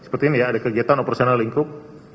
seperti ini ya ada kegiatan operasional lingkup